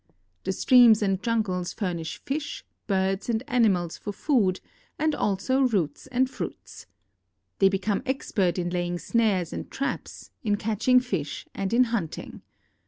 The streams and jungles furnish fish, birds, and animals for food and also roots and fruits. They become expert in laying snares and traps, in catching fish, and in hunting.